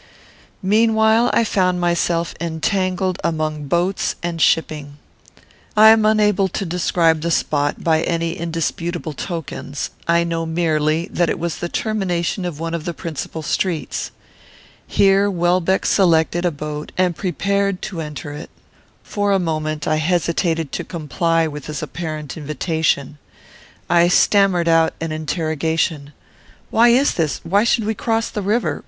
Meanwhile I found myself entangled among boats and shipping. I am unable to describe the spot by any indisputable tokens. I know merely that it was the termination of one of the principal streets. Here Welbeck selected a boat and prepared to enter it. For a moment I hesitated to comply with his apparent invitation. I stammered out an interrogation: "Why is this? Why should we cross the river?